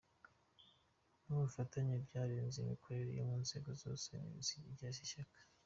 n’ubufatanye byaranze imikorere mu nzego zose z’Ishyaka .